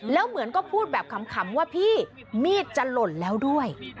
แล้วเหมือนก็พูดแบบขำว่าพี่มีดจะหล่นแล้วด้วย